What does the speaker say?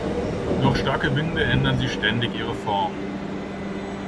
Durch starke Winde ändern sie ständig ihre Form.